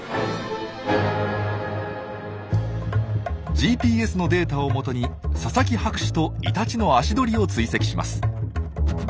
ＧＰＳのデータをもとに佐々木博士とイタチの足取りを追跡します。